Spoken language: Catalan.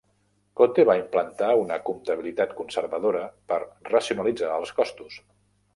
Cote va implantar una comptabilitat conservadora per racionalitzar els costos.